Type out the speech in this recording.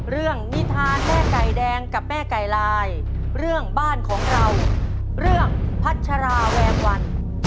นิทานแม่ไก่แดงกับแม่ไก่ลายเรื่องบ้านของเราเรื่องพัชราแวงวัน